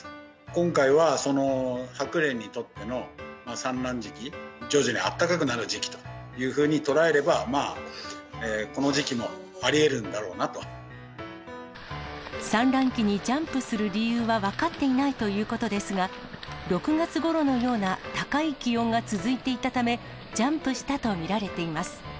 今回は、そのハクレンにとっての産卵時期、徐々に暖かくなる時期ととらえれば、まあこの時期もありえるんだ産卵期にジャンプする理由は分かっていないということですが、６月ごろのような高い気温が続いていたため、ジャンプしたと見られています。